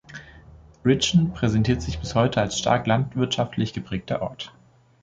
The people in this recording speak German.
Richen präsentiert sich bis heute als stark landwirtschaftlich geprägter Ort.